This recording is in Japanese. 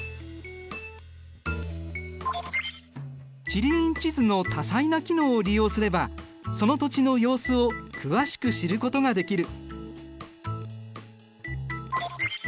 地理院地図の多彩な機能を利用すればその土地の様子を詳しく知ることができる。